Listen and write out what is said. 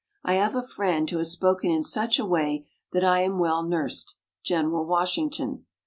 I have a friend who has spoken in such a way that I am well nursed General Washington.